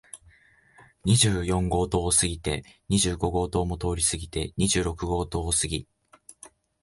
二十四号棟を過ぎて、二十五号棟も通り過ぎて、二十六号棟を過ぎ、